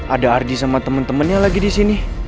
ada ardi sama temen temennya lagi disini